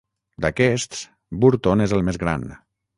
D'aquests, Bourton és el més gran.